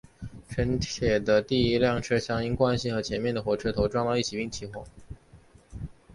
城铁的第一辆车厢因惯性和前面的火车头撞到一起并起火。